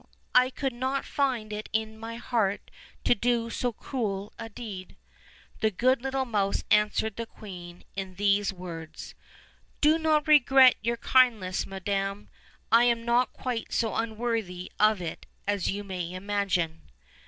I could not find it in my heart to do so cruel a deed." The good little mouse answered the queen in these words: "Do not regret your kindness, madam; I am not quite so unworthy of it as you may imagine."